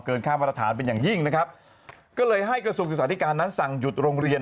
ค่ามาตรฐานเป็นอย่างยิ่งนะครับก็เลยให้กระทรวงศึกษาธิการนั้นสั่งหยุดโรงเรียน